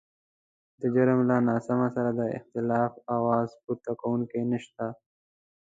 د جرم له نامه سره د اختلاف اواز پورته کوونکی نشته.